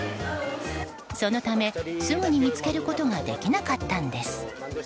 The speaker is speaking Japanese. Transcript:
そのためすぐに見つけることができなかったのです。